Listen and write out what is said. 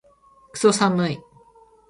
クソ寒い